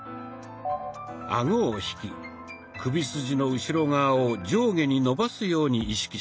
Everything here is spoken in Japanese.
アゴを引き首筋の後ろ側を上下に伸ばすように意識します。